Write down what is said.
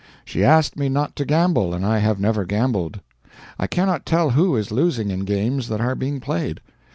She asked me not to gamble, and I have never gambled. I cannot tell who is losing in games that are being played.